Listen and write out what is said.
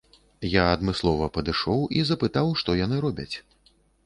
Я адмыслова падышоў і запытаў, што яны робяць.